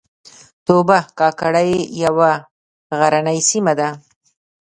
توبه کاکړۍ یوه غرنۍ سیمه ده